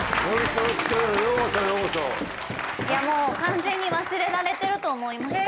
完全に忘れられてると思いました。